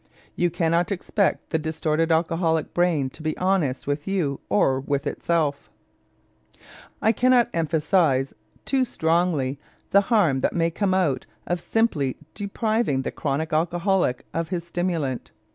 You cannot expect the distorted alcoholic brain to be honest with you or with itself. I cannot emphasize too strongly the harm that may come out of simply depriving the chronic alcoholic of his stimulant.